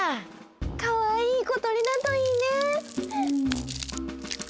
かわいい小とりだといいね。